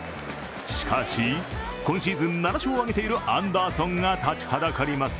しかし、今シーズン７勝を挙げているアンダーソンが立ちはだかります。